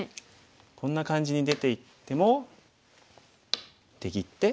こんな感じに出ていっても出切って。